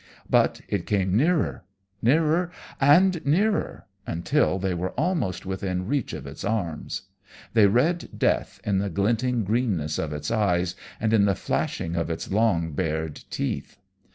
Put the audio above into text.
But it came nearer, nearer, and nearer, until they were almost within reach of its arms. They read death in the glinting greenness of its eyes and in the flashing of its long bared teeth.